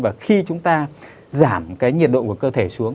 và khi chúng ta giảm cái nhiệt độ của cơ thể xuống